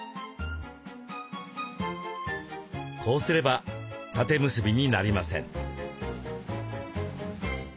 こうすれば縦結びになりません。